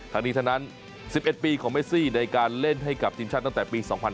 ทั้งนี้ทั้งนั้น๑๑ปีของเมซี่ในการเล่นให้กับทีมชาติตั้งแต่ปี๒๕๕๙